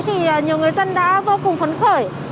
thì nhiều người dân đã vô cùng phấn khởi